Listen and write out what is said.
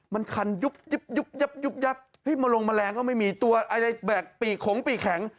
มันคันยุบมาลงแมลงก็ไม่มีตัวอะไรแบบผีขงผีแข็ง